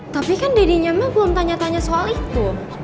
tapi kan dadinya mel belum tanya tanya soal itu